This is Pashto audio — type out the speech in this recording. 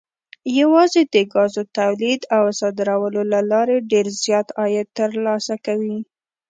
یوازې د ګازو تولید او صادرولو له لارې ډېر زیات عاید ترلاسه کوي.